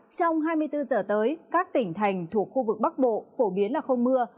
trong hai mươi bốn giờ tới các tỉnh thành thuộc khu vực bắc bộ phổ biến là không mưa